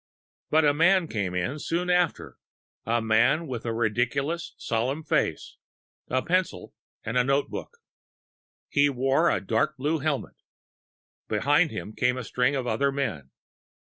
But a man came in soon after, a man with a ridiculous, solemn face, a pencil, and a notebook. He wore a dark blue helmet. Behind him came a string of other men.